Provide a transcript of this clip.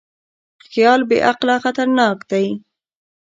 خیال بېعقله خطرناک دی.